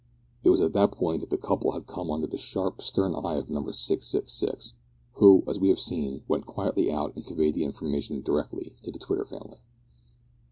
It was at this point that the couple had come under the sharp stern eye of Number 666, who, as we have seen, went quietly out and conveyed the information direct to the Twitter family.